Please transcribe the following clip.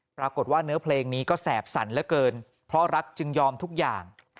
ปรากฏว่าเนื้อเพลงนี้ก็แสบสั่นเหลือเกินเพราะรักจึงยอมทุกอย่าง